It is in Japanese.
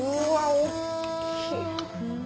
大っきい！